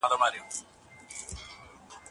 عقل او استدلال کله خپل ځای نيسي؟